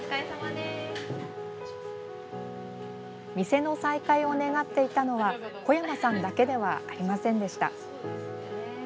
店の再開を願っていたのは小山さんだけではありませんでした。